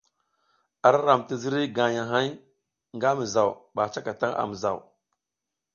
Ara ram ti ziriy gagnahay nga mizaw ba a cakatang a mizaw.